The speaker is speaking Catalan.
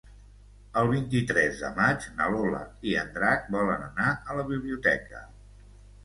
El vint-i-tres de maig na Lola i en Drac volen anar a la biblioteca.